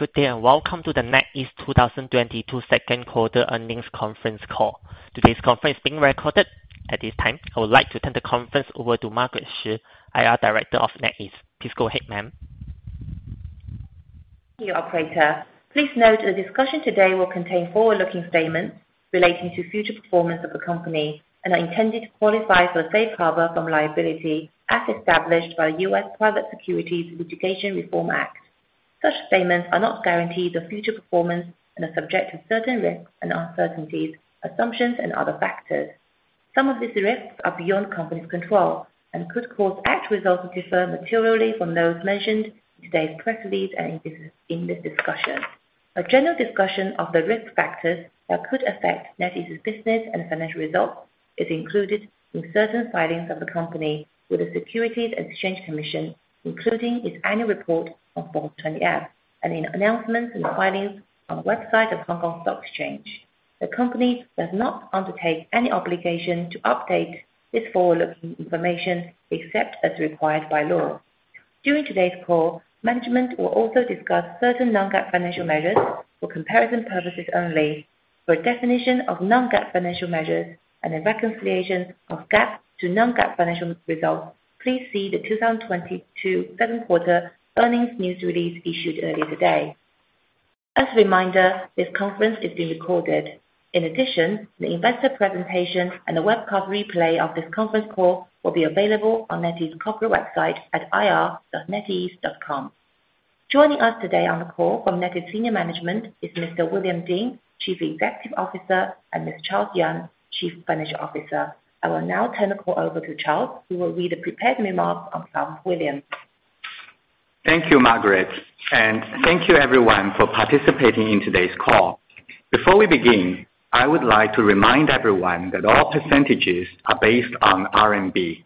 Good day and welcome to the NetEase 2022 second quarter earnings conference call. Today's conference is being recorded. At this time, I would like to turn the conference over to Margaret Shi, IR Director of NetEase. Please go ahead ma'am. Thank you operator. Please note the discussion today will contain forward-looking statements relating to future performance of the company and are intended to qualify for a safe harbor from liability as established by the U.S. Private Securities Litigation Reform Act. Such statements are not guarantees of future performance and are subject to certain risks and uncertainties, assumptions and other factors. Some of these risks are beyond company's control and could cause actual results to differ materially from those mentioned in today's press release and in this discussion. A general discussion of the risk factors that could affect NetEase's business and financial results is included in certain filings of the company with the Securities and Exchange Commission, including its annual report on Form 20-F, and in announcements and filings on the website of Hong Kong Stock Exchange. The company does not undertake any obligation to update this forward-looking information except as required by law. During today's call, management will also discuss certain non-GAAP financial measures for comparison purposes only. For a definition of non-GAAP financial measures and a reconciliation of GAAP to non-GAAP financial results, please see the 2022 second quarter earnings news release issued earlier today. As a reminder, this conference is being recorded. In addition, the investor presentation and the webcast replay of this conference call will be available on NetEase corporate website at ir.netease.com. Joining us today on the call from NetEase senior management is Mr. William Ding, Chief Executive Officer, and Charles Yang, Chief Financial Officer. I will now turn the call over to Charles, who will read a prepared remarks on behalf of William. Thank you, Margaret, and thank you everyone for participating in today's call. Before we begin, I would like to remind everyone that all percentages are based on RMB.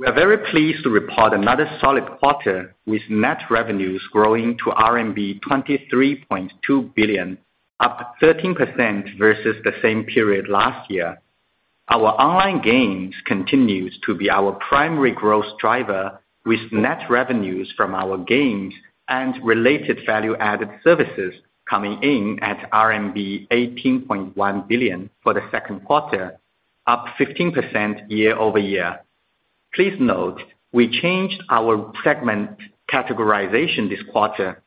We are very pleased to report another solid quarter with net revenues growing to RMB 23.2 billion, up 13% versus the same period last year. Our online games continues to be our primary growth driver with net revenues from our games and related value-added services coming in at RMB 18.1 billion for the second quarter, up 15% year-over-year. Please note, we changed our segment categorization this quarter.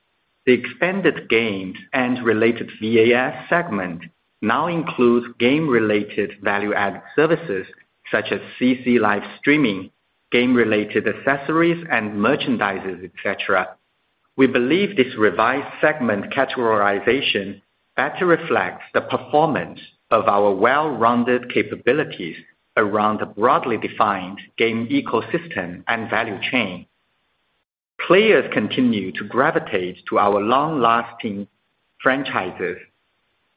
The expanded games and related VAS segment now includes game-related value-added services such as CC Live streaming, game-related accessories and merchandise, et cetera. We believe this revised segment categorization better reflects the performance of our well-rounded capabilities around the broadly defined game ecosystem and value chain. Players continue to gravitate to our long-lasting franchises.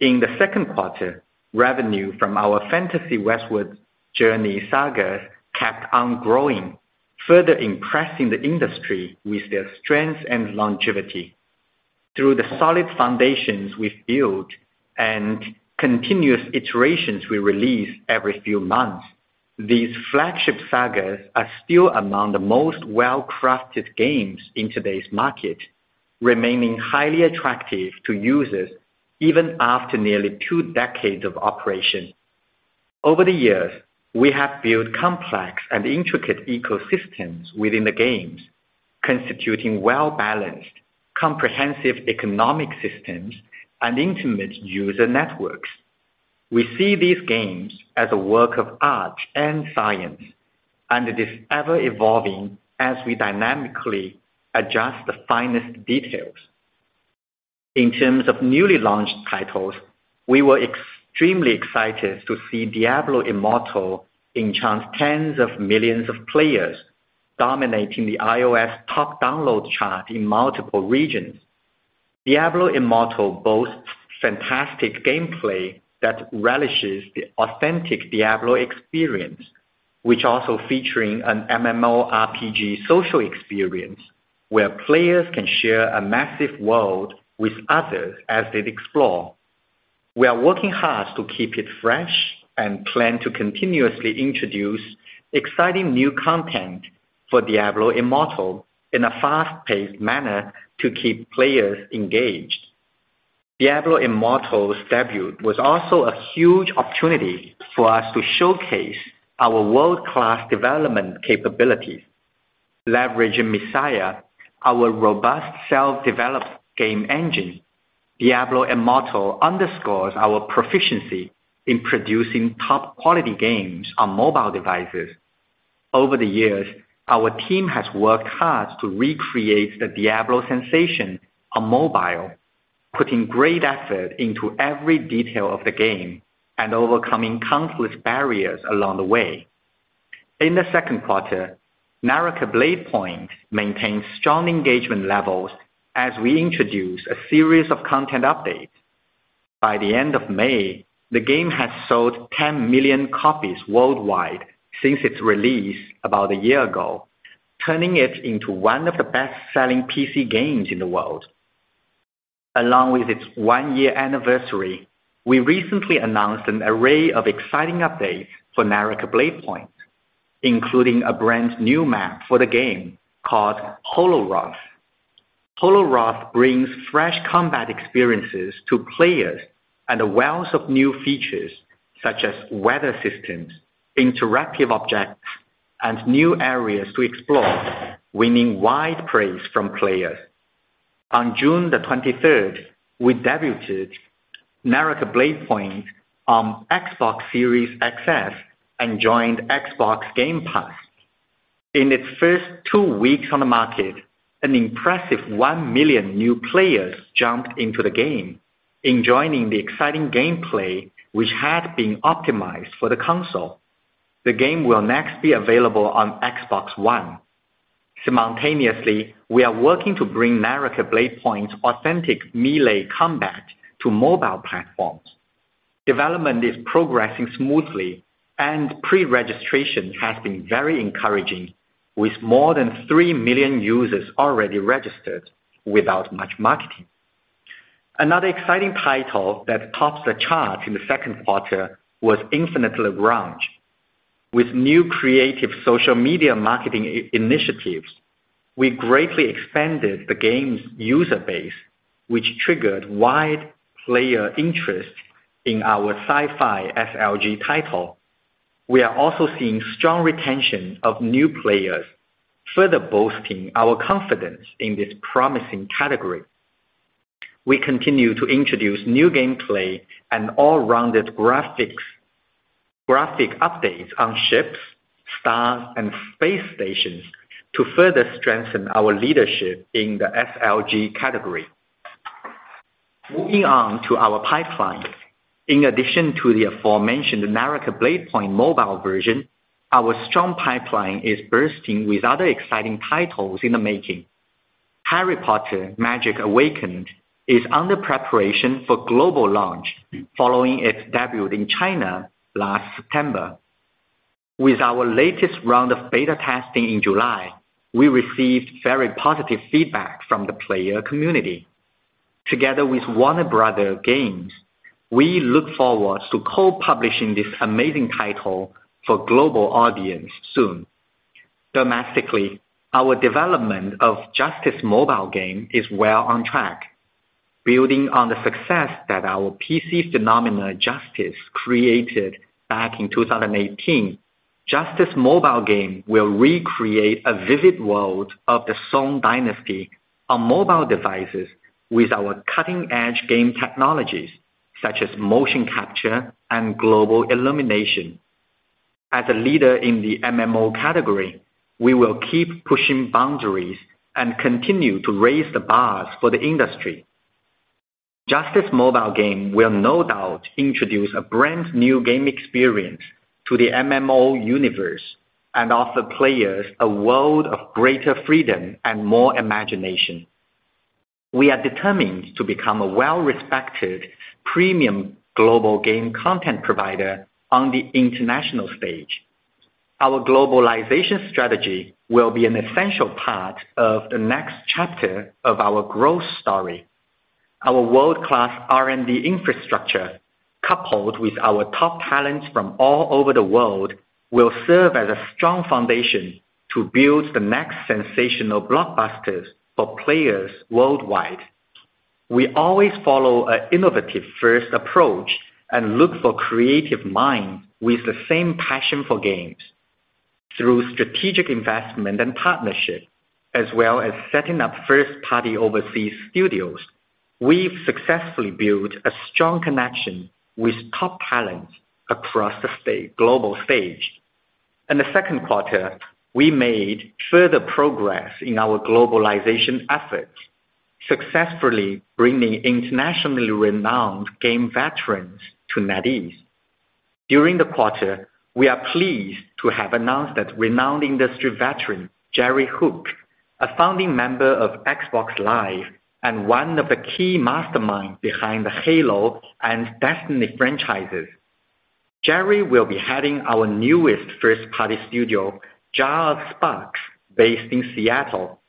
In the second quarter, revenue from our Fantasy Westward Journey saga kept on growing, further impressing the industry with their strength and longevity. Through the solid foundations we've built and continuous iterations we release every few months, these flagship sagas are still among the most well-crafted games in today's market, remaining highly attractive to users even after nearly two decades of operation. Over the years, we have built complex and intricate ecosystems within the games, constituting well-balanced, comprehensive economic systems and intimate user networks. We see these games as a work of art and science, and it is ever evolving as we dynamically adjust the finest details. In terms of newly launched titles, we were extremely excited to see Diablo Immortal enchant tens of millions of players, dominating the iOS top download chart in multiple regions. Diablo Immortal boasts fantastic gameplay that relishes the authentic Diablo experience, which also features an MMORPG social experience where players can share a massive world with others as they explore. We are working hard to keep it fresh and plan to continuously introduce exciting new content for Diablo Immortal in a fast-paced manner to keep players engaged. Diablo Immortal's debut was also a huge opportunity for us to showcase our world-class development capabilities. Leveraging Messiah, our robust self-developed game engine, Diablo Immortal underscores our proficiency in producing top quality games on mobile devices. Over the years, our team has worked hard to recreate the Diablo sensation on mobile, putting great effort into every detail of the game and overcoming countless barriers along the way. In the second quarter, Naraka: Bladepoint maintained strong engagement levels as we introduced a series of content updates. By the end of May, the game has sold 10 million copies worldwide since its release about a year ago, turning it into one of the best-selling PC games in the world. Along with its one-year anniversary, we recently announced an array of exciting updates for Naraka: Bladepoint, including a brand new map for the game called Holoroth. Holoroth brings fresh combat experiences to players and a wealth of new features such as weather systems, interactive objects, and new areas to explore, winning wide praise from players. On June 23rd, we debuted Naraka: Bladepoint on Xbox Series X|S and joined Xbox Game Pass. In its first two weeks on the market, an impressive 1 million new players jumped into the game, enjoying the exciting gameplay which had been optimized for the console. The game will next be available on Xbox One. Simultaneously, we are working to bring Naraka: Bladepoint authentic melee combat to mobile platforms. Development is progressing smoothly, and pre-registration has been very encouraging, with more than 3 million users already registered without much marketing. Another exciting title that tops the chart in the second quarter was Infinite Lagrange. With new creative social media marketing initiatives, we greatly expanded the game's user base, which triggered wide player interest in our sci-fi SLG title. We are also seeing strong retention of new players, further boosting our confidence in this promising category. We continue to introduce new gameplay and all-rounded graphics, graphic updates on ships, stars, and space stations to further strengthen our leadership in the SLG category. Moving on to our pipeline. In addition to the aforementioned Naraka: Bladepoint mobile version, our strong pipeline is bursting with other exciting titles in the making. Harry Potter: Magic Awakened is under preparation for global launch following its debut in China last September. With our latest round of beta testing in July, we received very positive feedback from the player community. Together with Warner Bros. Games, we look forward to co-publishing this amazing title for global audience soon. Domestically, our development of Justice Mobile game is well on track. Building on the success that our PC phenomena Justice created back in 2018, Justice Mobile game will recreate a vivid world of the Song dynasty on mobile devices with our cutting-edge game technologies such as motion capture and global illumination. As a leader in the MMO category, we will keep pushing boundaries and continue to raise the bars for the industry. Justice Mobile game will no doubt introduce a brand new game experience to the MMO universe and offer players a world of greater freedom and more imagination. We are determined to become a well-respected premium global game content provider on the international stage. Our globalization strategy will be an essential part of the next chapter of our growth story. Our world-class R&D infrastructure, coupled with our top talents from all over the world, will serve as a strong foundation to build the next sensational blockbusters for players worldwide. We always follow an innovative first approach and look for creative minds with the same passion for games. Through strategic investment and partnership, as well as setting up first-party overseas studios, we've successfully built a strong connection with top talent across the global stage. In the second quarter, we made further progress in our globalization efforts, successfully bringing internationally renowned game veterans to NetEase. During the quarter, we are pleased to have announced that renowned industry veteran, Jerry Hook, a founding member of Xbox Live and one of the key masterminds behind the Halo and Destiny franchises. Jerry will be heading our newest first-party studio, Jar of Sparks, based in Seattle.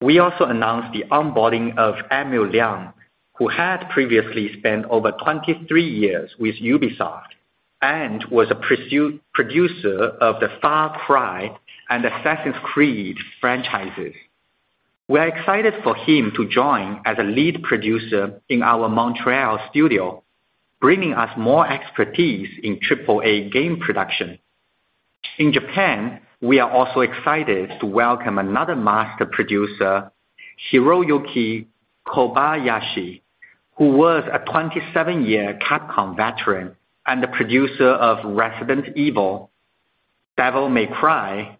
We also announced the onboarding of Emile Liang, who had previously spent over 23 years with Ubisoft and was a producer of the Far Cry and Assassin's Creed franchises. We are excited for him to join as a lead producer in our Montréal studio, bringing us more expertise in AAA game production. In Japan, we are also excited to welcome another master producer, Hiroyuki Kobayashi, who was a 27-year Capcom veteran and the producer of Resident Evil, Devil May Cry,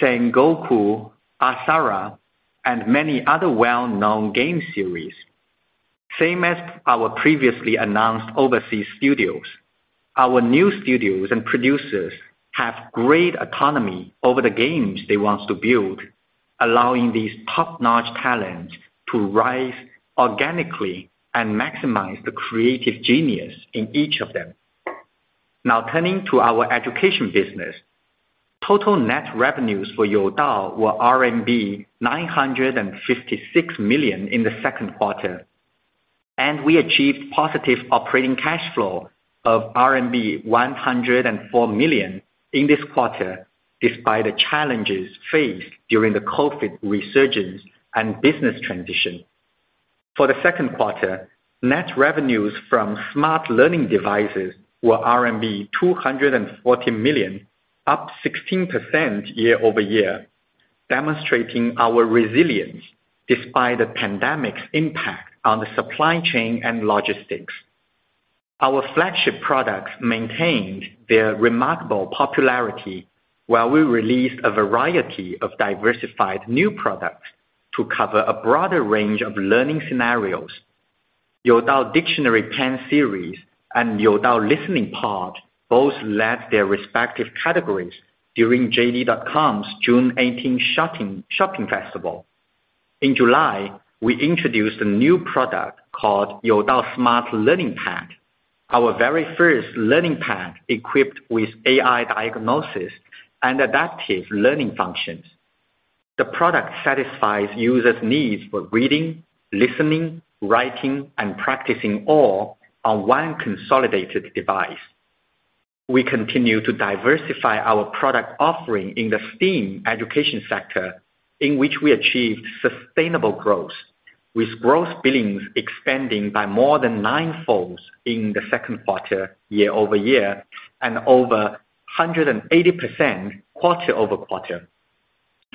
Sengoku, Asura, and many other well-known game series. Same as our previously announced overseas studios, our new studios and producers have great autonomy over the games they want to build, allowing these top-notch talents to rise organically and maximize the creative genius in each of them. Now turning to our education business. Total net revenues for Youdao were RMB 956 million in the second quarter. We achieved positive operating cash flow of RMB 104 million in this quarter, despite the challenges faced during the COVID resurgence and business transition. For the second quarter, net revenues from smart learning devices were RMB 240 million, up 16% year-over-year, demonstrating our resilience despite the pandemic's impact on the supply chain and logistics. Our flagship products maintained their remarkable popularity while we released a variety of diversified new products to cover a broader range of learning scenarios. Youdao Dictionary Pen series and Youdao listening pod both led their respective categories during JD.com's June eighteenth shopping festival. In July, we introduced a new product called Youdao Smart Learning Pad, our very first learning pad equipped with AI diagnosis and adaptive learning functions. The product satisfies users' needs for reading, listening, writing, and practicing all on one consolidated device. We continue to diversify our product offering in the STEAM education sector, in which we achieved sustainable growth, with gross billings expanding by more than ninefold in the second quarter year-over-year and over 180% quarter-over-quarter.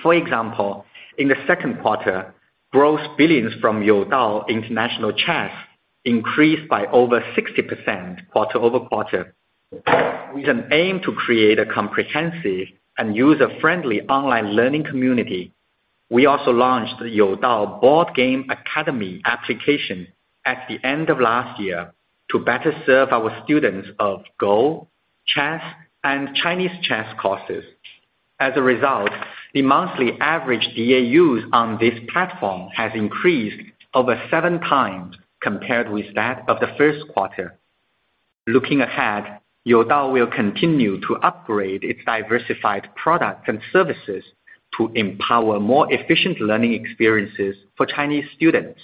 For example, in the second quarter, gross billings from Youdao International Chess increased by over 60% quarter-over-quarter. With an aim to create a comprehensive and user-friendly online learning community, we also launched the Youdao Board Game Academy application at the end of last year to better serve our students of Go, chess, and Chinese chess courses. As a result, the monthly average DAUs on this platform has increased over seven times compared with that of the first quarter. Looking ahead, Youdao will continue to upgrade its diversified products and services to empower more efficient learning experiences for Chinese students.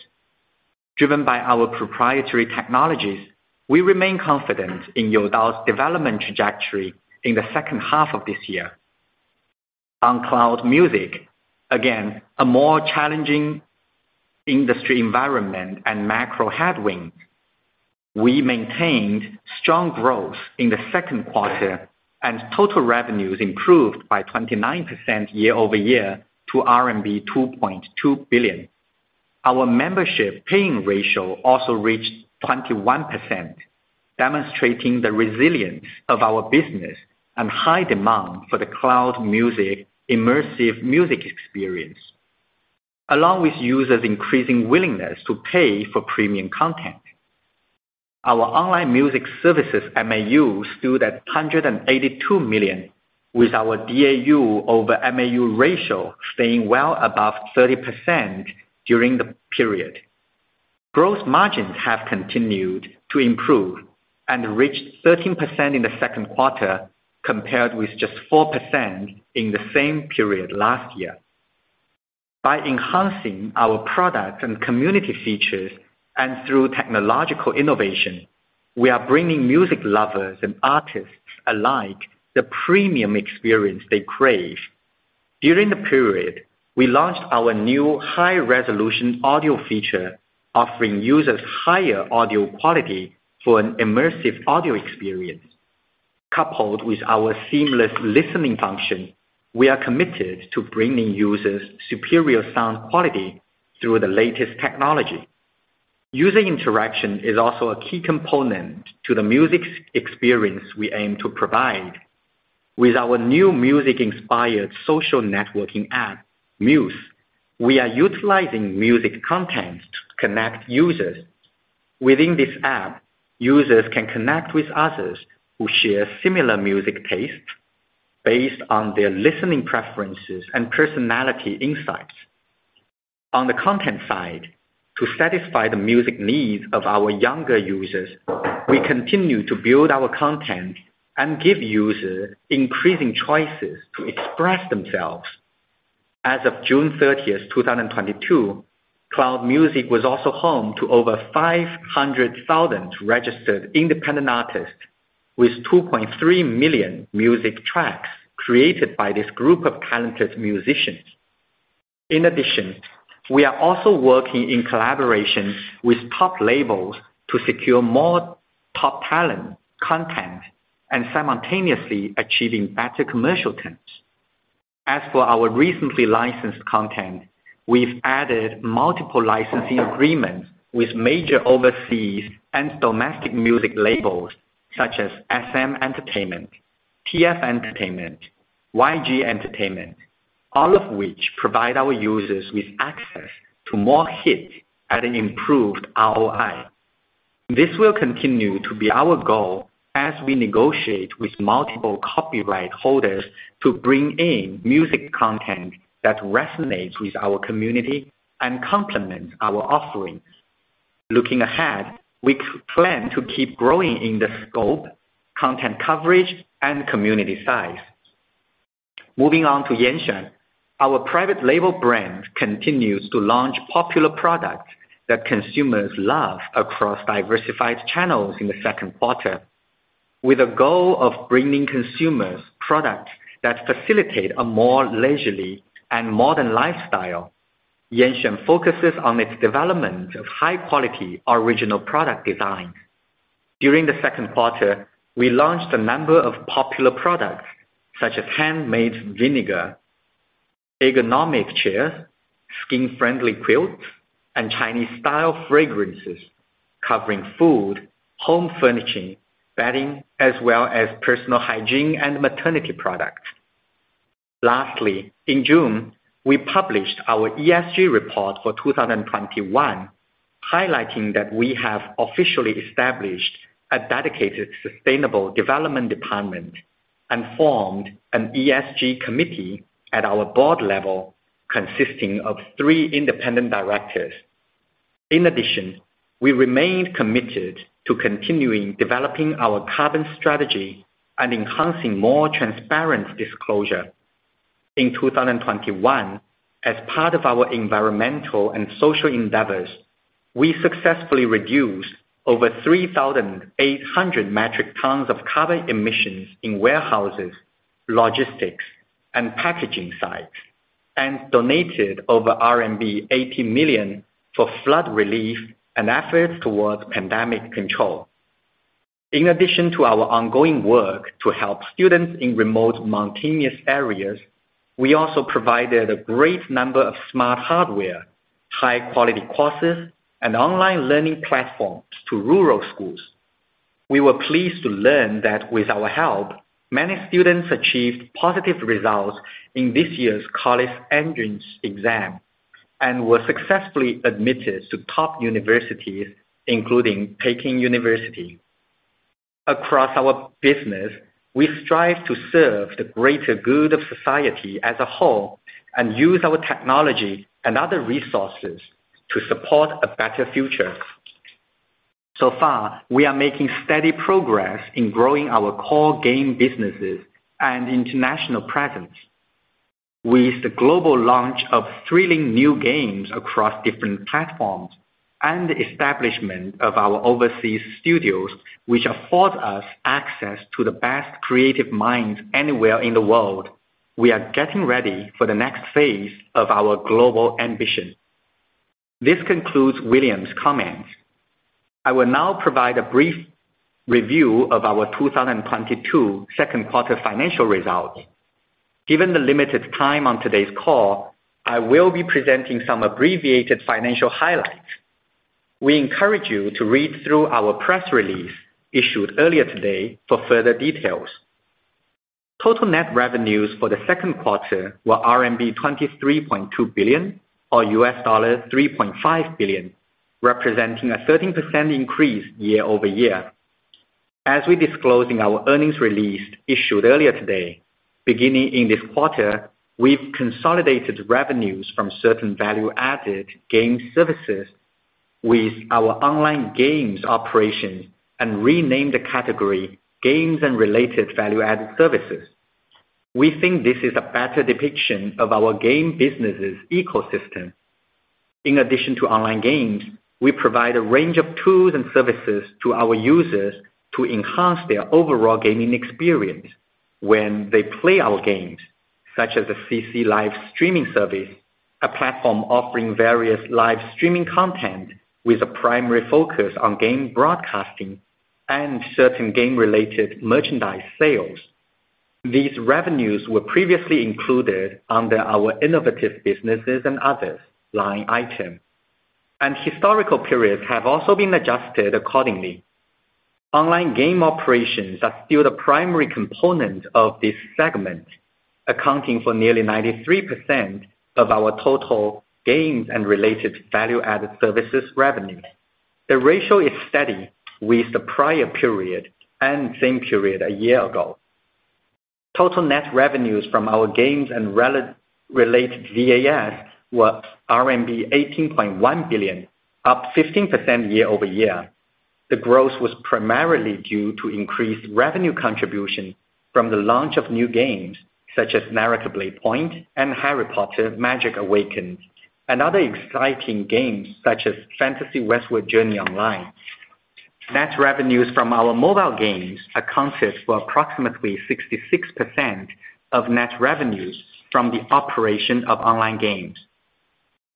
Driven by our proprietary technologies, we remain confident in Youdao's development trajectory in the second half of this year. On Cloud Music, again, a more challenging industry environment and macro headwind. We maintained strong growth in the second quarter, and total revenues improved by 29% year-over-year to RMB 2.2 billion. Our membership paying ratio also reached 21%, demonstrating the resilience of our business and high demand for the Cloud Music immersive music experience, along with users' increasing willingness to pay for premium content. Our online music services MAU stood at 182 million, with our DAU over MAU ratio staying well above 30% during the period. Gross margins have continued to improve and reached 13% in the second quarter, compared with just 4% in the same period last year. By enhancing our product and community features and through technological innovation, we are bringing music lovers and artists alike the premium experience they crave. During the period, we launched our new high-resolution audio feature, offering users higher audio quality for an immersive audio experience. Coupled with our seamless listening function, we are committed to bringing users superior sound quality through the latest technology. User interaction is also a key component to the music experience we aim to provide. With our new music-inspired social networking app, Muse, we are utilizing music content to connect users. Within this app, users can connect with others who share similar music tastes based on their listening preferences and personality insights. On the content side, to satisfy the music needs of our younger users, we continue to build our content and give users increasing choices to express themselves. As of June 30th, 2022, Cloud Music was also home to over 500,000 registered independent artists with 2.3 million music tracks created by this group of talented musicians. In addition, we are also working in collaboration with top labels to secure more top talent content and simultaneously achieving better commercial terms. As for our recently licensed content, we've added multiple licensing agreements with major overseas and domestic music labels such as SM Entertainment, TF Entertainment, YG Entertainment, all of which provide our users with access to more hits at an improved ROI. This will continue to be our goal as we negotiate with multiple copyright holders to bring in music content that resonates with our community and complement our offerings. Looking ahead, we plan to keep growing in the scope, content coverage, and community size. Moving on to Yanxuan, our private label brand continues to launch popular products that consumers love across diversified channels in the second quarter. With a goal of bringing consumers products that facilitate a more leisurely and modern lifestyle, Yanxuan focuses on its development of high-quality original product designs. During the second quarter, we launched a number of popular products such as handmade vinegar, ergonomic chairs, skin-friendly quilts, and Chinese style fragrances, covering food, home furnishing, bedding, as well as personal hygiene and maternity products. Lastly, in June, we published our ESG report for 2021, highlighting that we have officially established a dedicated sustainable development department and formed an ESG committee at our board level consisting of three independent directors. In addition, we remained committed to continuing developing our carbon strategy and enhancing more transparent disclosure. In 2021, as part of our environmental and social endeavors, we successfully reduced over 3,800 metric tons of carbon emissions in warehouses, logistics and packaging sites, and donated over RMB 80 million for flood relief and efforts towards pandemic control. In addition to our ongoing work to help students in remote mountainous areas, we also provided a great number of smart hardware, high-quality courses, and online learning platforms to rural schools. We were pleased to learn that with our help, many students achieved positive results in this year's college entrance exam and were successfully admitted to top universities, including Peking University. Across our business, we strive to serve the greater good of society as a whole and use our technology and other resources to support a better future. So far, we are making steady progress in growing our core game businesses and international presence. With the global launch of thrilling new games across different platforms and the establishment of our overseas studios, which afford us access to the best creative minds anywhere in the world, we are getting ready for the next phase of our global ambition. This concludes William's comments. I will now provide a brief review of our 2022 second quarter financial results. Given the limited time on today's call, I will be presenting some abbreviated financial highlights. We encourage you to read through our press release issued earlier today for further details. Total net revenues for the second quarter were RMB 23.2 billion, or $3.5 billion, representing a 13% increase year-over-year. As we disclosed in our earnings release issued earlier today, beginning in this quarter, we've consolidated revenues from certain value-added game services with our online games operations and renamed the category Games and Related Value-Added Services. We think this is a better depiction of our game business' ecosystem. In addition to online games, we provide a range of tools and services to our users to enhance their overall gaming experience when they play our games, such as the CC Live streaming service, a platform offering various live streaming content with a primary focus on game broadcasting and certain game-related merchandise sales. These revenues were previously included under our Innovative Businesses and Others line item, and historical periods have also been adjusted accordingly. Online game operations are still the primary component of this segment, accounting for nearly 93% of our total games and related value-added services revenue. The ratio is steady with the prior period and same period a year ago. Total net revenues from our games and related VAS were RMB 18.1 billion, up 15% year-over-year. The growth was primarily due to increased revenue contribution from the launch of new games such as Naraka: Bladepoint and Harry Potter: Magic Awakened and other exciting games such as Fantasy Westward Journey Online. Net revenues from our mobile games accounted for approximately 66% of net revenues from the operation of online games.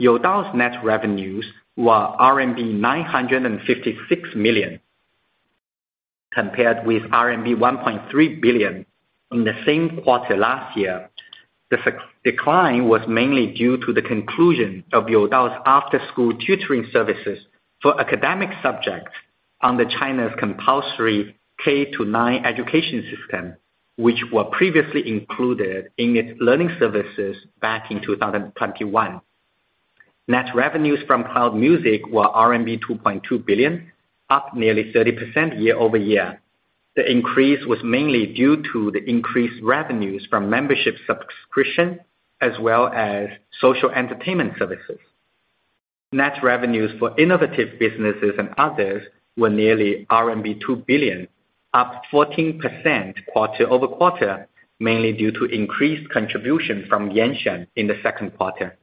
Youdao's net revenues were RMB 956 million, compared with RMB 1.3 billion in the same quarter last year. The decline was mainly due to the conclusion of Youdao's after-school tutoring services for academic subjects under China's compulsory K-9 education system, which were previously included in its learning services back in 2021. Net revenues from Cloud Music were RMB 2.2 billion, up nearly 30% year-over-year. The increase was mainly due to the increased revenues from membership subscription as well as social entertainment services. Net revenues for innovative businesses and others were nearly RMB 2 billion, up 14% quarter-over-quarter, mainly due to increased contribution from Yanxuan in the second quarter.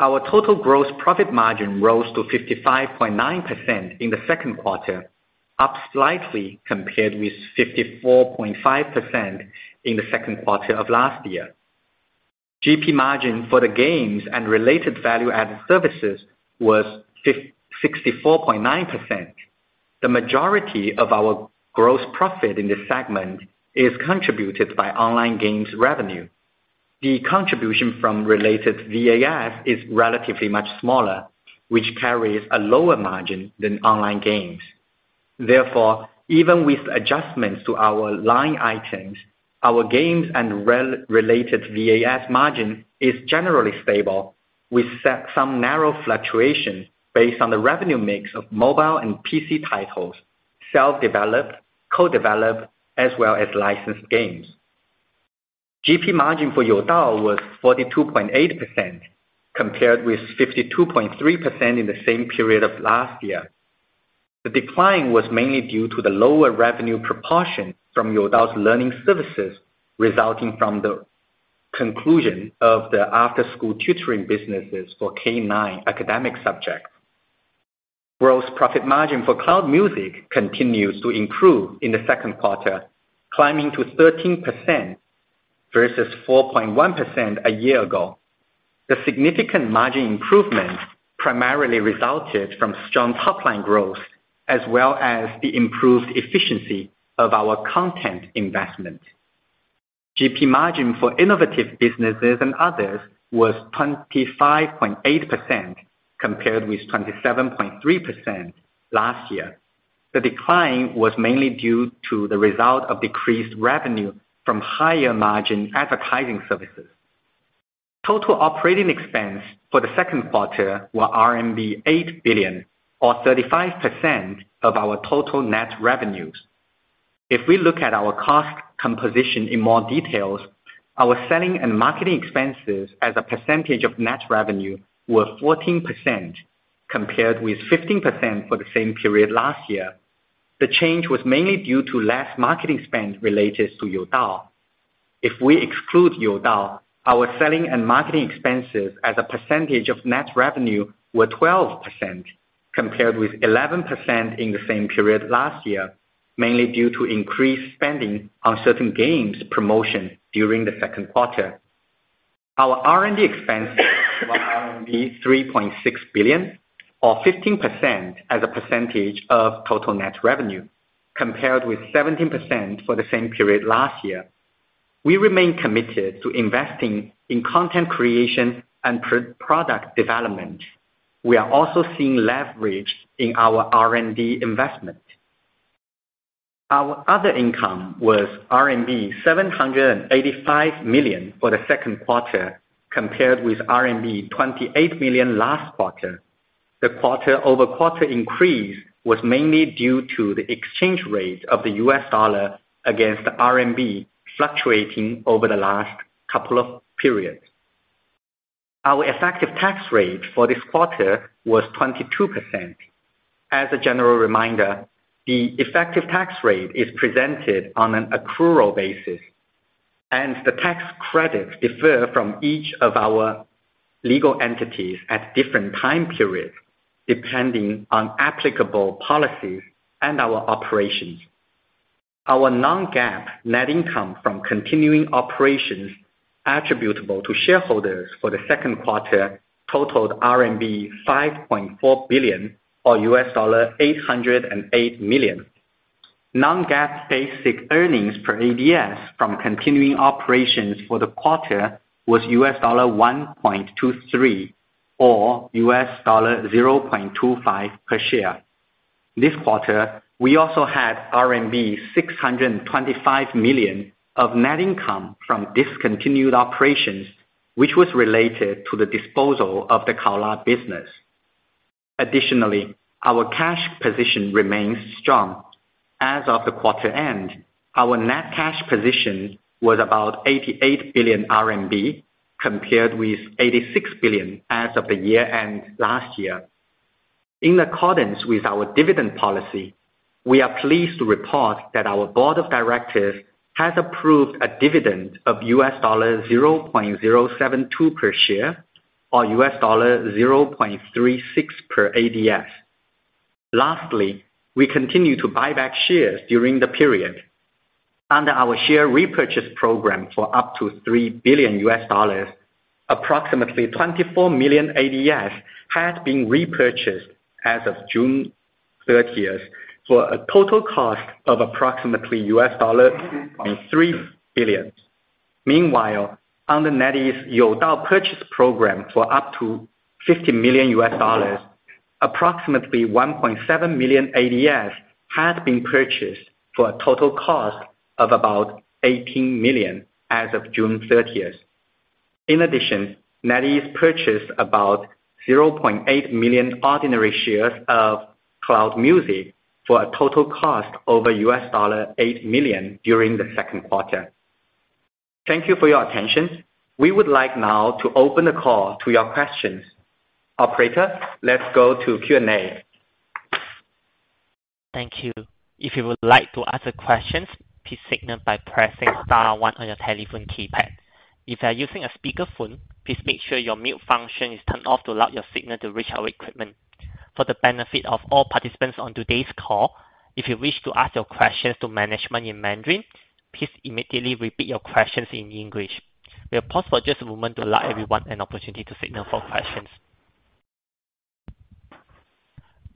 Our total gross profit margin rose to 55.9% in the second quarter, up slightly compared with 54.5% in the second quarter of last year. GP margin for the games and related value-added services was sixty-four point nine percent. The majority of our gross profit in this segment is contributed by online games revenue. The contribution from related VAS is relatively much smaller, which carries a lower margin than online games. Therefore, even with adjustments to our line items, our games and related VAS margin is generally stable, with some narrow fluctuations based on the revenue mix of mobile and PC titles, self-developed, co-developed, as well as licensed games. GP margin for Youdao was 42.8%, compared with 52.3% in the same period of last year. The decline was mainly due to the lower revenue proportion from Youdao's learning services, resulting from the conclusion of the after-school tutoring businesses for K-9 academic subjects. Gross profit margin for Cloud Music continues to improve in the second quarter, climbing to 13% versus 4.1% a year ago. The significant margin improvement primarily resulted from strong top-line growth, as well as the improved efficiency of our content investment. GP margin for innovative businesses and others was 25.8%, compared with 27.3% last year. The decline was mainly due to the result of decreased revenue from higher margin advertising services. Total operating expense for the second quarter were RMB 8 billion or 35% of our total net revenues. If we look at our cost composition in more detail, our selling and marketing expenses as a percentage of net revenue were 14%, compared with 15% for the same period last year. The change was mainly due to less marketing spend related to Youdao. If we exclude Youdao, our selling and marketing expenses as a percentage of net revenue were 12%, compared with 11% in the same period last year, mainly due to increased spending on certain games promotion during the second quarter. Our R&D expenses were 3.6 billion or 15% as a percentage of total net revenue, compared with 17% for the same period last year. We remain committed to investing in content creation and product development. We are also seeing leverage in our R&D investment. Our other income was RMB 785 million for the second quarter, compared with RMB 28 million last quarter. The quarter-over-quarter increase was mainly due to the exchange rate of the U.S. dollar against the RMB fluctuating over the last couple of periods. Our effective tax rate for this quarter was 22%. As a general reminder, the effective tax rate is presented on an accrual basis, and the tax credits differ from each of our legal entities at different time periods, depending on applicable policies and our operations. Our non-GAAP net income from continuing operations attributable to shareholders for the second quarter totaled RMB 5.4 billion, or $808 million. Non-GAAP basic earnings per ADS from continuing operations for the quarter was $1.23 or $0.25 per share. This quarter, we also had RMB 625 million of net income from discontinued operations, which was related to the disposal of the Kaola business. Additionally, our cash position remains strong. As of the quarter end, our net cash position was about 88 billion RMB, compared with 86 billion as of the year-end last year. In accordance with our dividend policy, we are pleased to report that our board of directors has approved a dividend of $0.072 per share or $0.36 per ADS. We continue to buy back shares during the period. Under our share repurchase program for up to $3 billion, approximately 24 million ADS has been repurchased as of June 30, for a total cost of approximately $3 billion. Meanwhile, under NetEase Youdao purchase program for up to $50 million, approximately 1.7 million ADS has been purchased for a total cost of about $18 million as of June 30. In addition, NetEase purchased about 0.8 million ordinary shares of Cloud Music for a total cost over $8 million during the second quarter. Thank you for your attention. We would like now to open the call to your questions. Operator, let's go to Q&A. Thank you. If you would like to ask questions, please signal by pressing star one on your telephone keypad. If you are using a speakerphone, please make sure your mute function is turned off to allow your signal to reach our equipment. For the benefit of all participants on today's call, if you wish to ask your questions to management in Mandarin, please immediately repeat your questions in English. We will pause for just a moment to allow everyone an opportunity to signal for questions.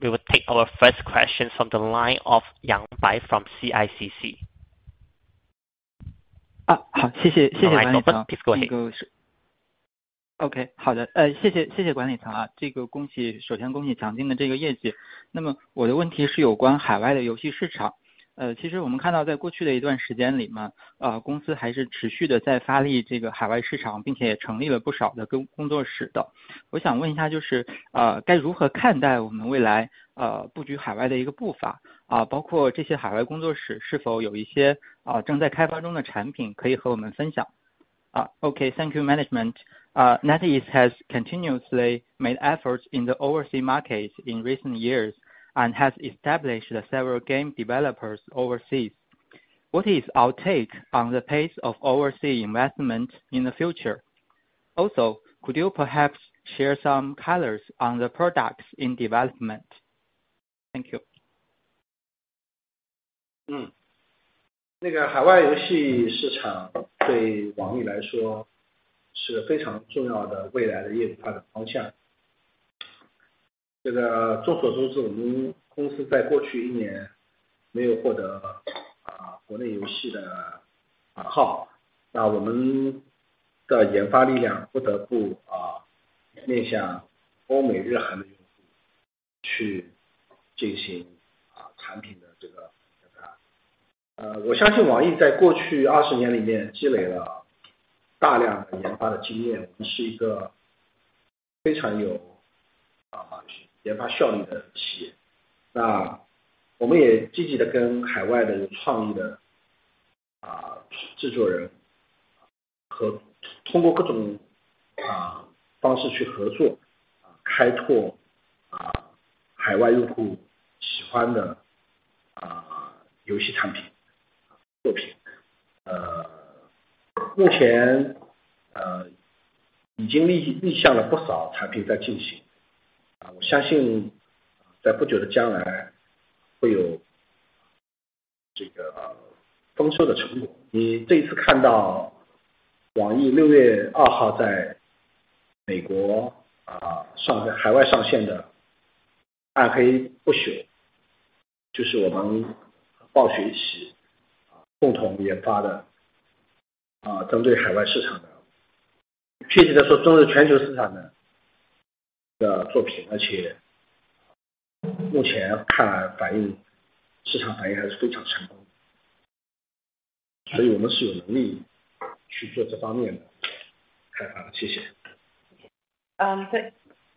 We will take our first question from the line of Yang Bai from CICC. 好，谢谢，谢谢。Please go ahead. 好的，谢谢管理层，首先恭喜强劲的业绩。那么我的问题是有关海外的游戏市场，其实我们看到在过去的一段时间里，公司还是持续地在发力这个海外市场，并且也成立了不少的工作室。我想问一下，该如何看待我们未来布局海外的一个步伐，包括这些海外工作室是否有一些正在开发中的产品可以和我们分享。NetEase has continuously made efforts in the overseas markets in recent years and has established several game developers overseas. What is our take on the pace of overseas investment in the future? Also, could you perhaps share some colors on the products in development? Thank you.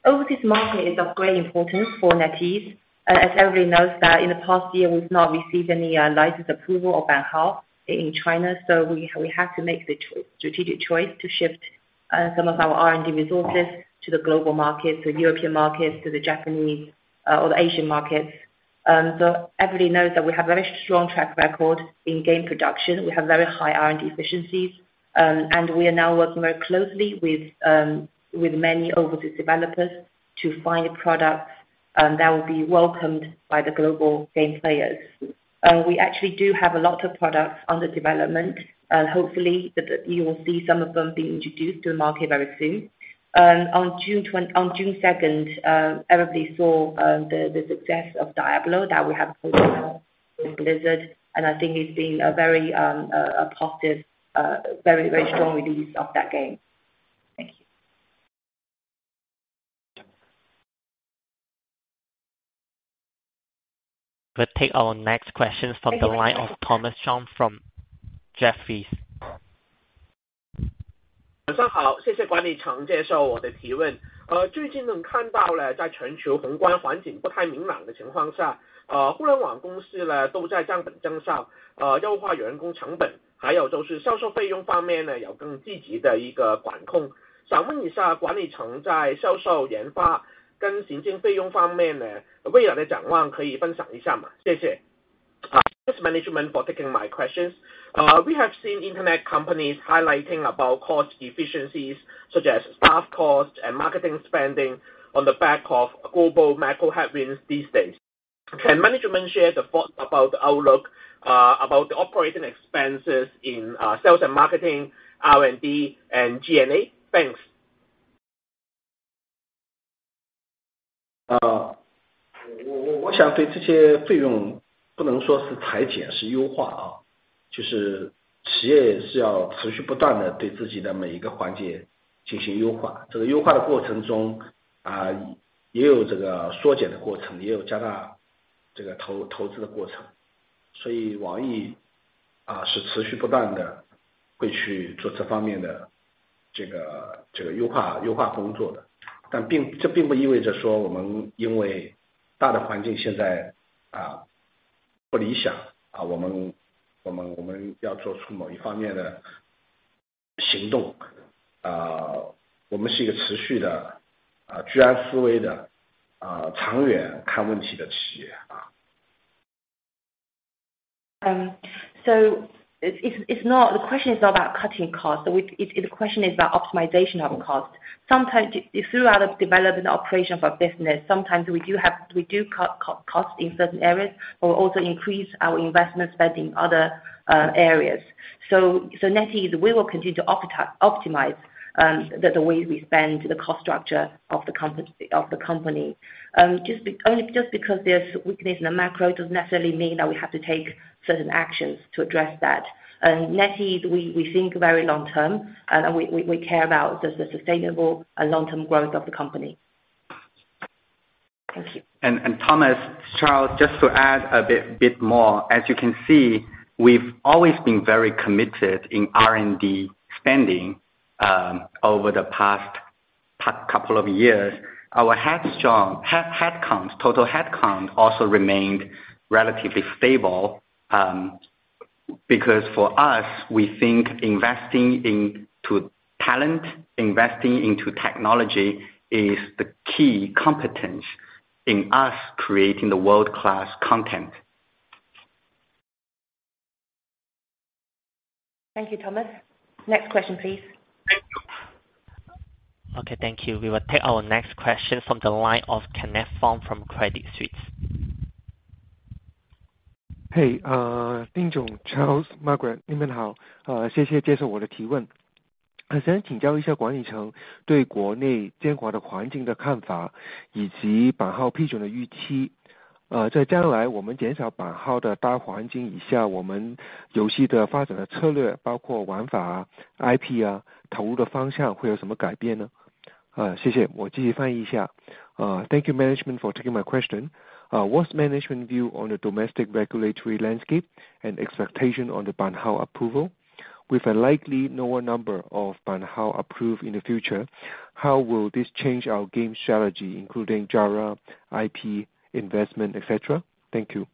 Overseas market is of great importance for NetEase. As everybody knows that in the past year we've not received any license approval of 版号 in China. We have to make the strategic choice to shift some of our R&D resources to the global markets, to European markets, to the Japanese or the Asian markets. Everybody knows that we have very strong track record in game production. We have very high R&D efficiencies, and we are now working very closely with many overseas developers to find products that will be welcomed by the global game players. We actually do have a lot of products under development. Hopefully you will see some of them being introduced to the market very soon. On June 2nd, everybody saw the success of Diablo that we have with Blizzard, and I think it's been a very positive, very strong release of that game. Thank you. We'll take our next question from the line of Thomas Chong from Jefferies. 晚上好，谢谢管理层接受我的提问。最近能看到呢，在全球宏观环境不太明朗的情况下，互联网公司呢，都在降本增效，优化员工成本，还有就是销售费用方面呢，有更积极的一个管控。想问一下管理层在销售、研发跟行政费用方面呢，未来的展望可以分享一下吗？谢谢。Thanks management for taking my questions. We have seen Internet companies highlighting about cost efficiencies such as staff costs and marketing spending on the back of global macro headwinds these days. Can management share the thought about outlook about the operating expenses in sales and marketing, R&D and G&A? Thanks. It's not about cutting costs, it's about optimization of cost. Sometimes it's throughout development operations for business. Sometimes we do cut costs. Costs in certain areas will also increase our investment spend in other areas. NetEase will continue to optimize the way we spend the cost structure of the company. Just because there's weakness in the macro doesn't necessarily mean that we have to take certain actions to address that. NetEase thinks very long term, and we care about the sustainable and long term growth of the company. Thank you. Thomas Chong, Charles Yang, just to add a bit more. As you can see, we've always been very committed to R&D spending over the past couple of years. Our total headcount also remained relatively stable. Because for us, we think investing in talent, investing in technology is the key component in us creating world-class content. Thank you Thomas. Next question, please. Okay, thank you. We will take our next question from the line of Kenneth Fong from Credit Suisse. 丁总，Charles，Margaret，你们好，谢谢接受我的提问。想请教一下管理层对国内监管的环境的看法以及版号批准的预期。在将来我们减少版号的大环境以下，我们游戏的发展的策略，包括玩法、IP啊，投入的方向会有什么改变呢？谢谢。我继续翻译一下。Thank you management for taking my question. What's management view on the domestic regulatory landscape and expectation on the 版号 approval? With a likely lower number of 版号 approved in the future, how will this change our game strategy including genre, IP, investment, et cetera? Thank you.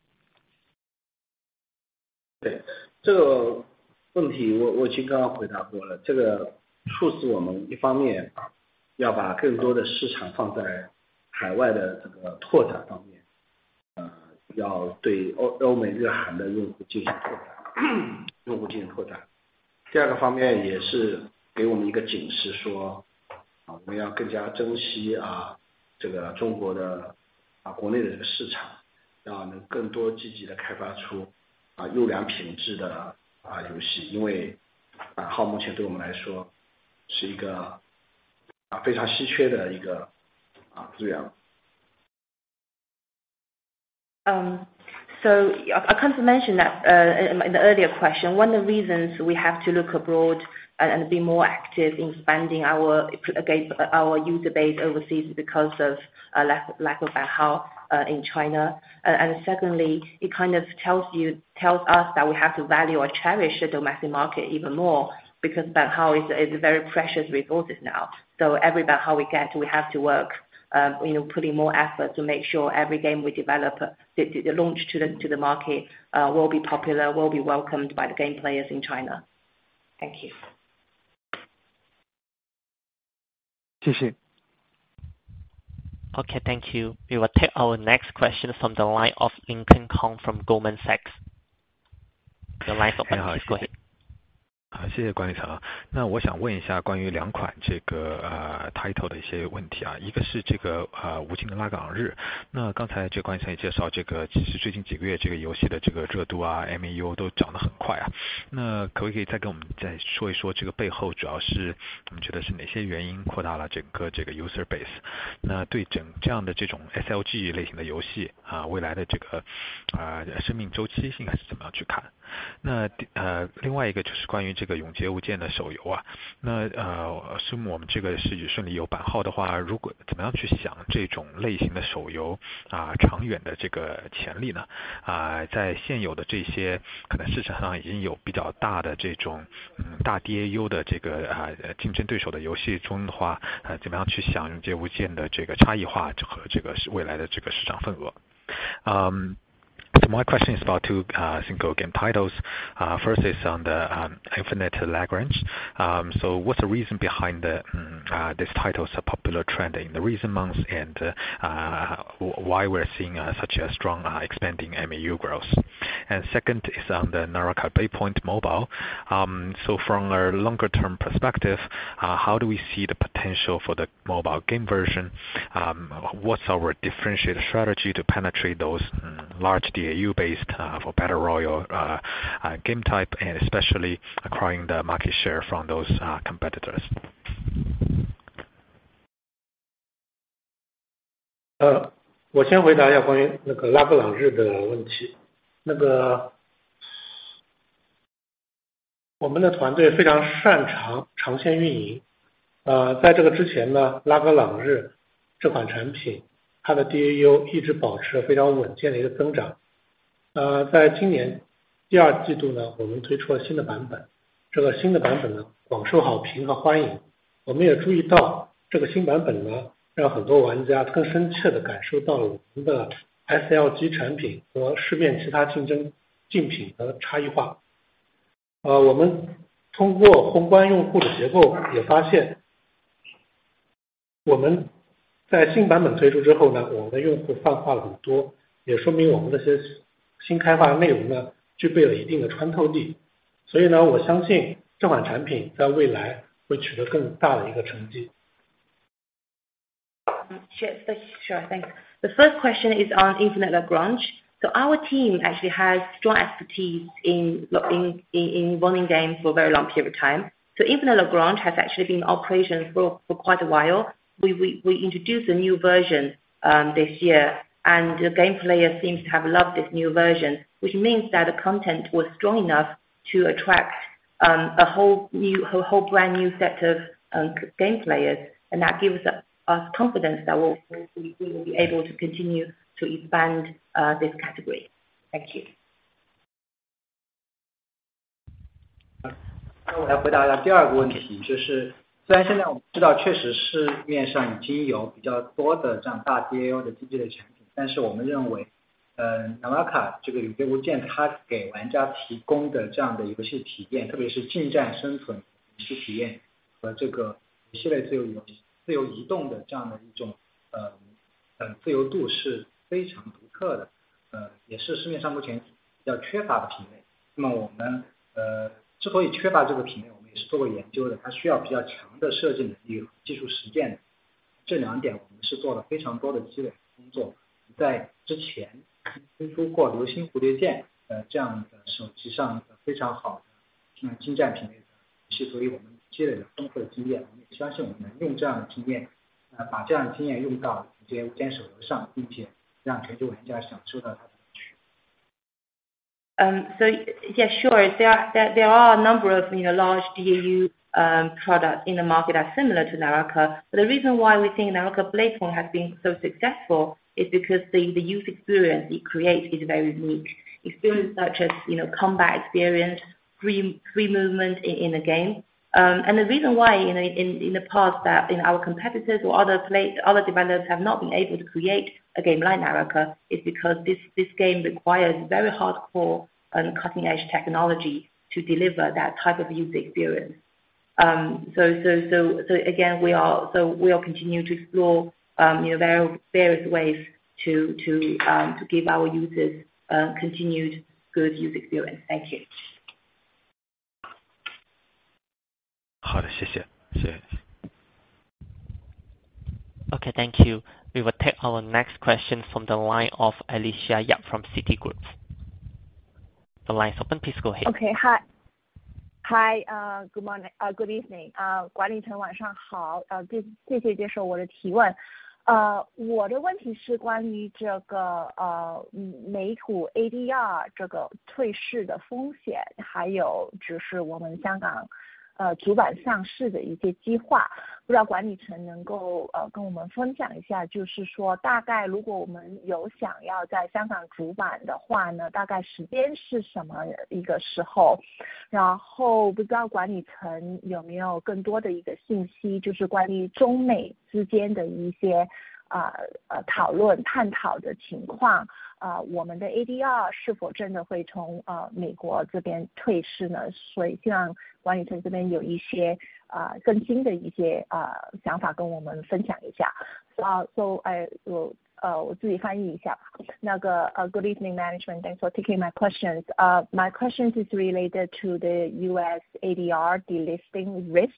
对，这个问题我其实刚刚回答过了，这个促使我们一方面要把更多的市场放在海外的拓展方面，要对欧美日韩的用户进行拓展。第二个方面也是给我们一个警示说，我们要更加珍惜这个中国的国内的市场，要能更多积极地开发出优良品质的游戏，因为版号目前对我们来说是一个非常稀缺的资源。I kind of mentioned that in the earlier question, one of the reasons we have to look abroad and be more active in expanding our user base overseas because of a lack of 版号 in China. Secondly, it kind of tells us that we have to value or cherish the domestic market even more, because 版号 is a very precious resource now. Every 版号 we get, we have to work, you know, putting more effort to make sure every game we develop to launch to the market will be popular, will be welcomed by the game players in China. Thank you. 谢谢。Okay thank you. We will take our next question from the line of Lincoln Kong from Goldman Sachs. The line is open. Please go ahead. base，那对整这样的这种SLG类型的游戏，啊，未来的这个啊生命周期你还是怎么样去看？那，另外一个就是关于这个永劫无间的手游啊，那，是我们这个是顺利有版号的话，如果怎么样去想这种类型的手游啊，长远的这个潜力呢？啊，在现有的这些可能市场上已经有比较大的这种大DAU的这个啊竞争对手的游戏中的话，怎么样去想永劫无间的这个差异化和这个是未来的这个市场份额。My question is about two single game titles. First is on Infinite Lagrange. What's the reason behind this title's popular trend in the recent months, and why we're seeing such a strong expanding MAU growth? Second is on the Naraka: Bladepoint mobile. From a longer term perspective, how do we see the potential for the mobile game version? What's our differentiated strategy to penetrate those large DAU base for battle royale game type, and especially acquiring the market share from those competitors? 我先回答一下关于那个拉格朗日的问题，那个 好的，谢谢，谢谢。ADR 是否真的会从美国这边退市呢？所以希望管理层这边有一些更新的一些想法跟我们分享一下。Good evening. Thanks for taking my questions. My questions are related to the U.S. ADR delisting risk,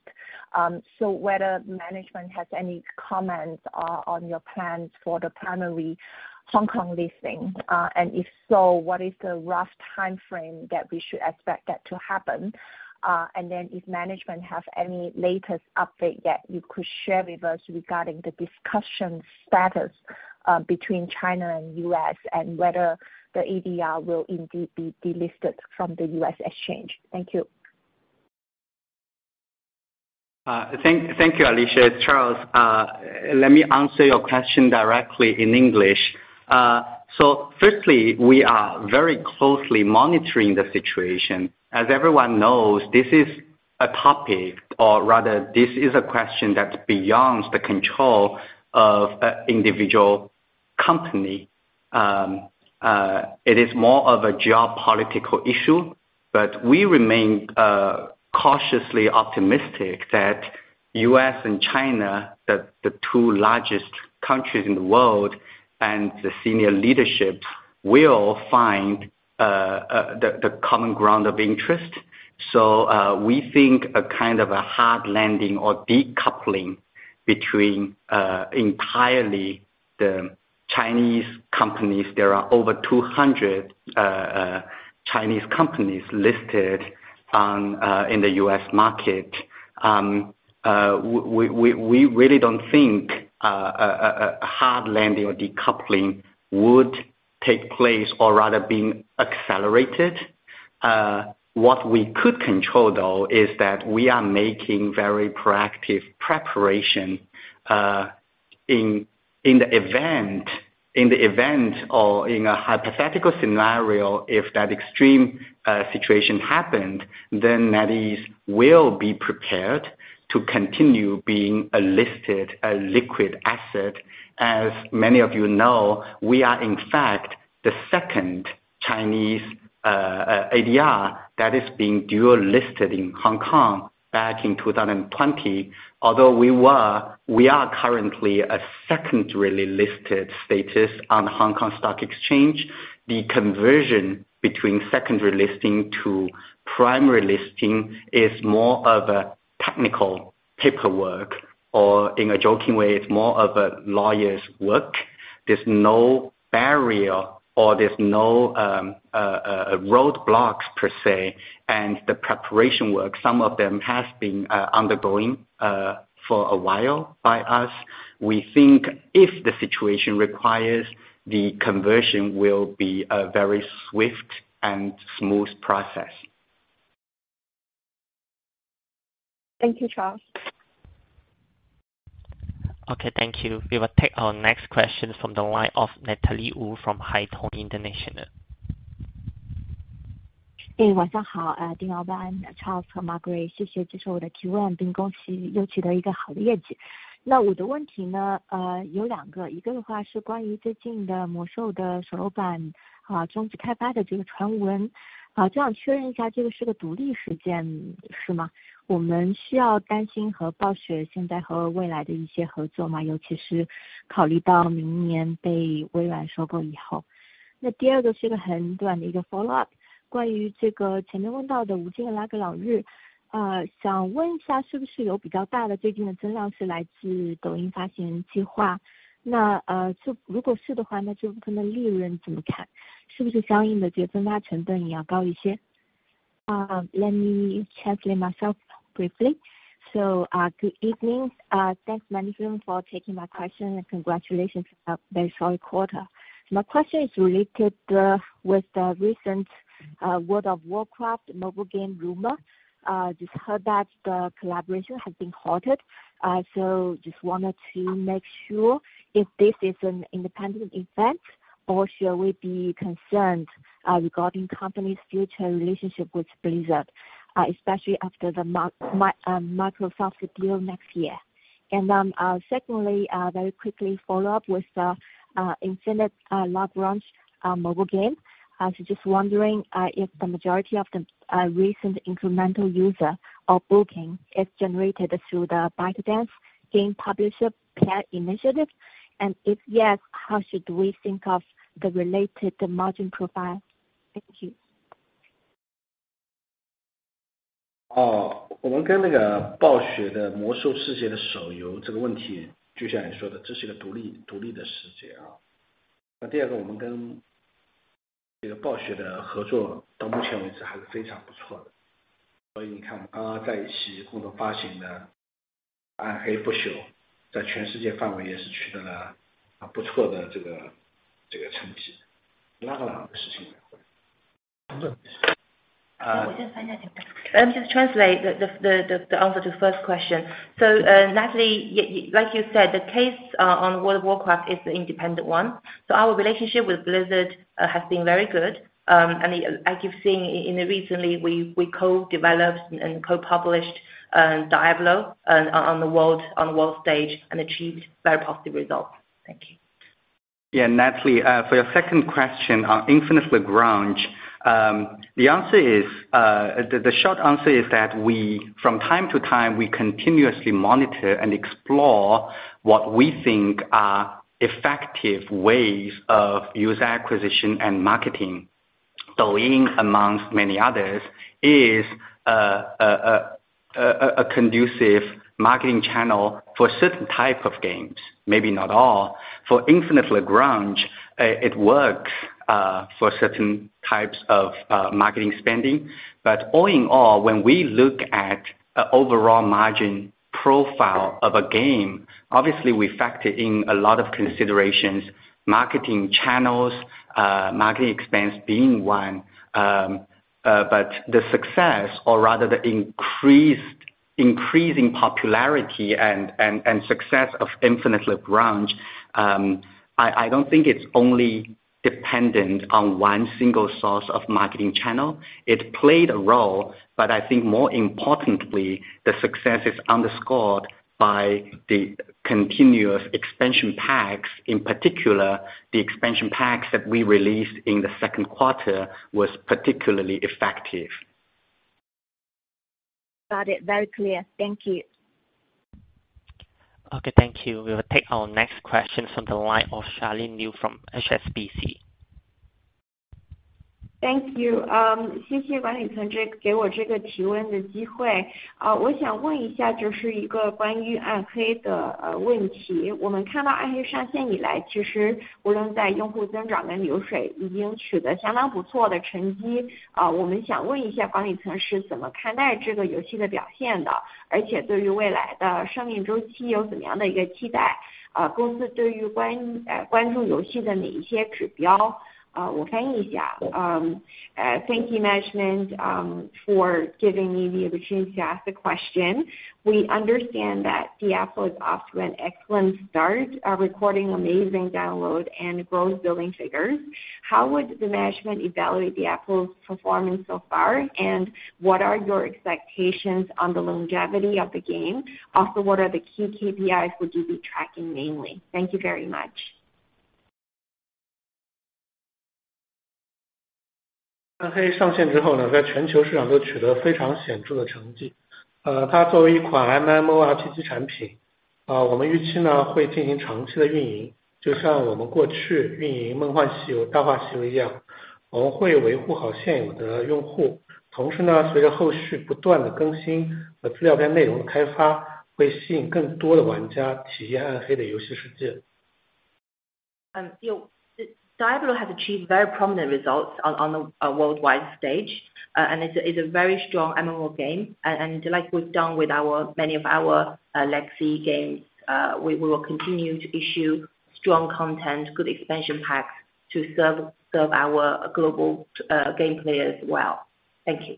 and whether management has any comments on your plans for the primary Hong Kong listing, and if so, what is the rough time frame that we should expect that to happen? And if management has any latest update that you could share with us regarding the discussion status between China and the U.S., and whether the ADR will indeed be delisted from the U.S. exchange. Thank you. Thank you Alicia, it's Charles. Let me answer your question directly in English. First, we are very closely monitoring the situation as everyone knows this is a topic or rather this is a question that is beyond the control of individual company. It is more of a geopolitical issue, but we remain cautiously optimistic that the U.S. and China, the two largest countries in the world and the senior leadership will find the common ground of interest. We think a kind of a hard landing or decoupling between entirely the Chinese companies. There are over 200 Chinese companies listed in the U.S. market. We really don't think a hard landing or decoupling would take place or rather being accelerated. What we could control though is that we are making very proactive preparation in the event or in a hypothetical scenario if that extreme situation happened then NetEase will be prepared to continue being a listed liquid asset. As many of you know, we are in fact the second Chinese ADR that is being dual listed in Hong Kong back in 2020. Although we are currently a secondary listed status on the Hong Kong Stock Exchange, the conversion between secondary listing to primary listing is more of a technical paperwork, or in a joking way, it's more of a lawyer's work. There's no barrier or roadblocks per se, and the preparation work, some of them has been undergoing for a while by us. We think if the situation requires, the conversion will be a very swift and smooth process. Thank you Charles. Okay thank you. We will take our next question from the line of Natalie Wu from Haitong International. 晚上好，丁老板、Charles 和 Margaret，谢谢接受我的提问，并恭喜又取得一个好的业绩。那我的问题呢，有两个，一个的话是关于最近的魔兽的手游版和终止开发的这个传闻，就想确认一下这个是个独立事件是吗？我们需要担心和暴雪现在和未来的一些合作吗？尤其是考虑到明年被微软收购以后。那第二个是个很短的一个 follow-up，关于这个前面问到的无尽的拉格朗日，想问一下是不是有比较大的最近的增长是来自抖音发行计划？那，就如果是的话，那这部分利润怎么看？是不是相应的节支成本也要高一些？Uh, let me translate myself briefly. Good evening. Thanks management for taking my question and congratulations on a very solid quarter. My question is related with the recent World of Warcraft mobile game rumor. Just heard that the collaboration has been halted. Just wanted to make sure if this is an independent event or should we be concerned regarding company's future relationship with Blizzard, especially after the Microsoft deal next year. Secondly, very quickly follow up with the Infinite Lagrange mobile game. I was just wondering if the majority of the recent incremental user or booking is generated through the ByteDance game publisher plan initiative, and if yes, how should we think of the related margin profile? Thank you. 我们跟那个暴雪的魔兽世界的手游这个问题，就像你说的，这是一个独立、独立的事情。那第二个，我们跟这个暴雪的合作到目前为止还是非常不错的。所以你看我们刚刚在一起共同发行的暗黑不朽，在全世界范围也是取得了不错的这个，这个成绩。拉格朗日的事情 我先翻译吧。Let me just translate the answer to first question. Natalie, like you said, the case on World of Warcraft is an independent one. Our relationship with Blizzard has been very good. As you've seen recently, we co-developed and co-published Diablo on the world stage and achieved very positive results. Thank you. Yeah Natalie for your second question on Infinite Lagrange, the short answer is that we from time to time continuously monitor and explore what we think are effective ways of user acquisition and marketing. Douyin amongst many others is a conducive marketing channel for certain type of games, maybe not all. For Infinite Lagrange, it works for certain types of marketing spending. All in all, when we look at overall margin profile of a game, obviously we factor in a lot of considerations, marketing channels, marketing expense being one, but the success or rather the increasing popularity and success of Infinite Lagrange, I don't think it's only dependent on one single source of marketing channel. It played a role, but I think more importantly, the success is underscored by the continuous expansion packs. In particular, the expansion packs that we released in the second quarter was particularly effective. Got it. Very clear. Thank you. Okay thank you. We will take our next question from the line of Charlene Liu from HSBC. Thank you management for giving me the opportunity to ask the question. We understand that Diablo is off to an excellent start, achieving amazing downloads and growth billing figures. How would the management evaluate the Diablo performance so far? What are your expectations on the longevity of the game? Also, what are the key KPIs you would be tracking mainly? Thank you very much. 暗黑上线之后，在全球市场都取得非常显著的成绩。它作为一款MMORPG产品，我们预期会进行长期的运营。就像我们过去运营梦幻西游、大话西游一样，我们会维护好现有的用户。同时，随着后续不断的更新和资料片内容的开发，会吸引更多的玩家体验暗黑的游戏世界。You know, Diablo has achieved very prominent results on a worldwide stage and it's a very strong IP game and like we've done with many of our legacy games we will continue to issue strong content, good expansion packs to serve our global game players well. Thank you.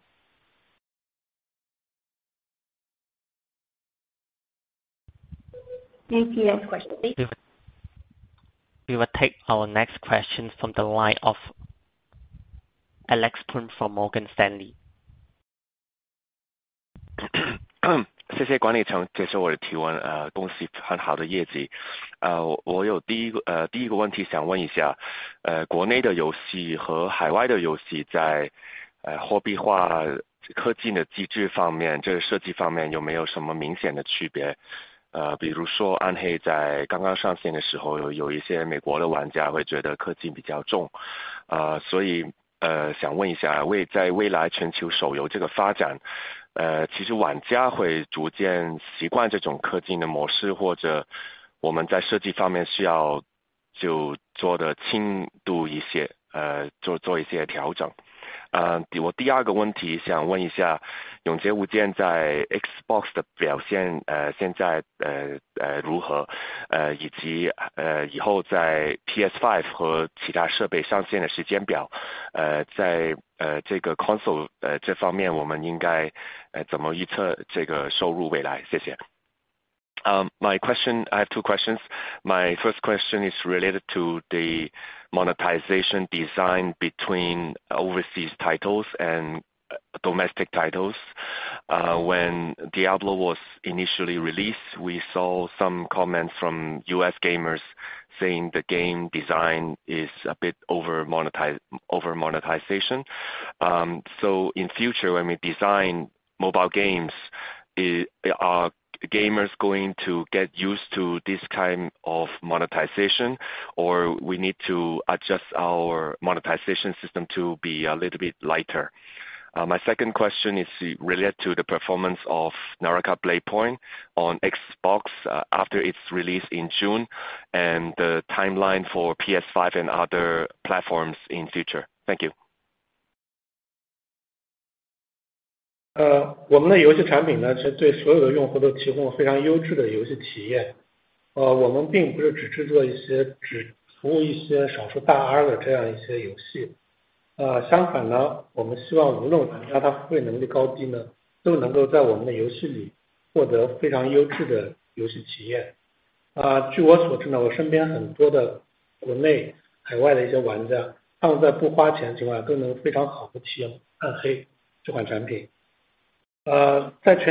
Next question please. We will take our next question from the line of Alex Poon from Morgan Stanley. Xbox 的表现现在如何，以及以后在 PS5 和其他设备上线的时间表，在这个 console 这方面我们应该怎么预测这个收入未来？谢谢。My first question is related to the monetization design between overseas titles and domestic titles. When Diablo was initially released we saw some comments from U.S. gamers saying the game design is a bit over monetized. In future when we design mobile games are gamers going to get used to this kind of monetization or we need to adjust our monetization system to be a little bit lighter? My second question is related to the performance of Naraka: Bladepoint on Xbox after its release in June and the timeline for PS5 and other platforms in future. Thank you. Our products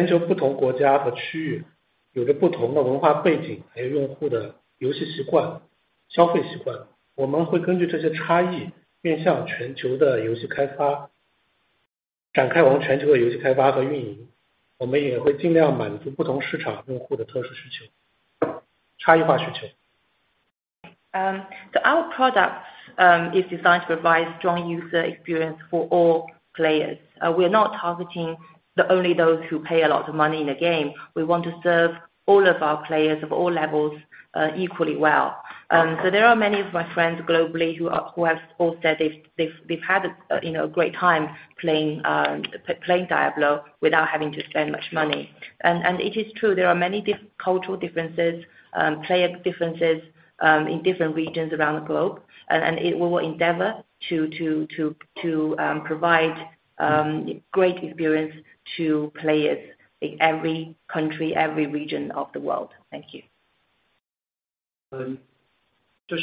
is designed to provide strong user experience for all players. We are not targeting the only those who pay a lot of money in the game. We want to serve all of our players of all levels equally well. There are many of my friends globally who have all said they've had a great time playing Diablo without having to spend much money. It is true there are many different cultural differences, player differences in different regions around the globe and it will endeavor to provide great experience to players in every country every region of the world. Thank you.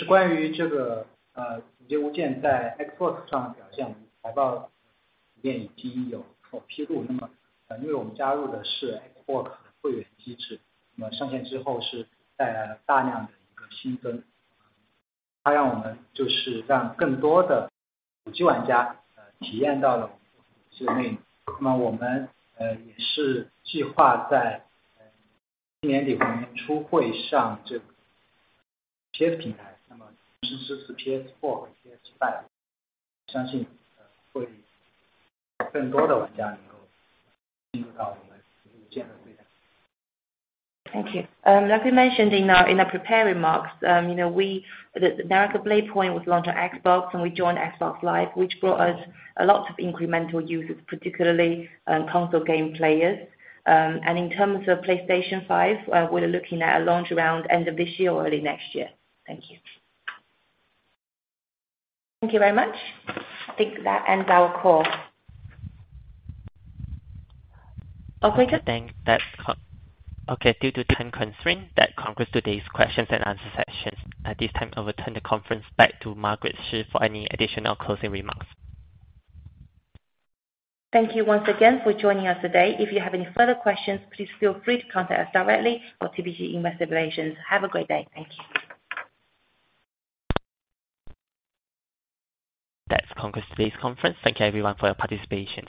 关于这个物件在Xbox上的表现，我们财报里面已经有披露。因为我们加入的是Xbox的会员机制，上线之后带来了大量的新增，让更多的主机玩家体验到了我们的游戏内容。我们也计划在今年底或明年初会上PS平台，同时支持PS4和PS5，相信会有更多的玩家能够进入到我们游戏的轨道。Thank you. As we mentioned in our prepared remarks, you know the Naraka: Bladepoint was launched on Xbox and we joined Xbox network, which brought us a lot of incremental users, particularly console game players. In terms of PlayStation 5, we're looking at a launch around end of this year or early next year. Thank you. Thank you very much. I think that ends our call. Okay due to time constraint, that concludes today's questions and answer session. At this time I will turn the conference back to Margaret Shi for any additional closing remarks. Thank you once again for joining us today. If you have any further questions, please feel free to contact us directly or TPG Investor Relations. Have a great day. Thank you. That concludes today's conference. Thank you everyone for your participation.